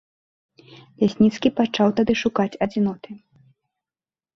Лясніцкі пачаў тады шукаць адзіноты.